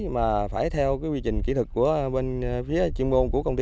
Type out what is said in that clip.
mà phải theo cái quy trình kỹ thuật của bên phía chuyên môn của công ty